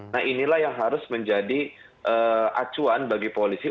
nah inilah yang harus menjadi acuan bagi polisi